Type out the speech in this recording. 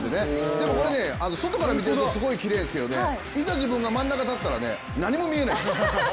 でもこれ外から見ているとすごいきれいですけどねいざ自分が真ん中に立ったら何も見えないです。